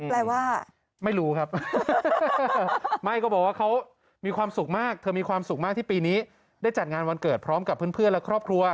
แปลว่าไม่รู้ครับไม่ก็บอกว่าเขามีความสุขมากเธอมีความสุขมากที่ปีนี้ได้จัดงานวันเกิดพร้อมกับเพื่อนและครอบครัว